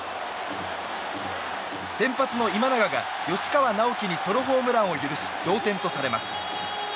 先発の今永が吉川尚輝にソロホームランを許し同点とされます。